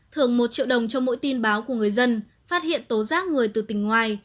thưởng một triệu đồng cho mỗi tin báo của người dân phát hiện tố giác người từ tỉnh ngoài